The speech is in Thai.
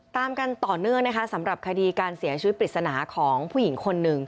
ตามกันต่อเนื่องนะคะสำหรับคดีการเสียชีวิตปริศนาของผู้หญิงคนหนึ่ง